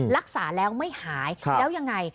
รักษาแล้วไม่หายแล้วยังไง